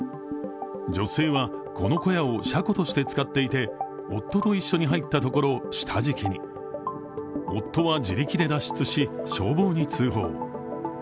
女性はこの小屋を車庫として使っていて夫と一緒に入ったところ、下敷きに夫は自力で脱出し、消防に通報。